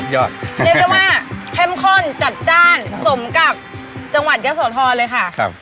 ยอดเย็นมากเท่มข้นจัดจ้านสมกับจังหวัดเยอะสวทอดเลยค่ะครับ